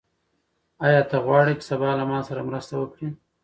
آیا ته غواړې چې سبا له ما سره مرسته وکړې؟